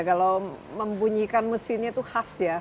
kalau membunyikan mesinnya itu khas ya